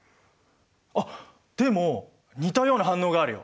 あっでも似たような反応があるよ。